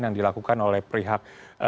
yang dilakukan oleh prihak